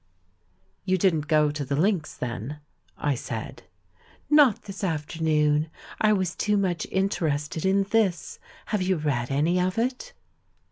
"You didn't go to the Links, then?" I said. "Not this afternoon, I was too much interested in this. Have you read any of it?"